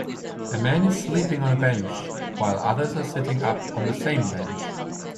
A man is sleeping on a bench while others are sitting up on the same bench.